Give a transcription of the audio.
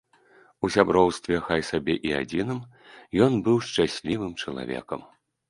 У сяброўстве, хай сабе і адзіным, ён быў шчаслівым чалавекам.